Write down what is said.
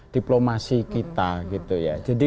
diplomasi kita gitu ya jadi